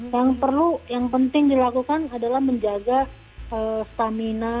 yang perlu yang penting dilakukan adalah menjaga stamina